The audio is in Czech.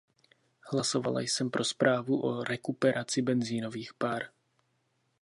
Hlasovala jsem pro zprávu o rekuperaci benzinových par.